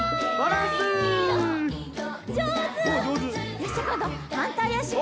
よしじゃこんどはんたいあしも。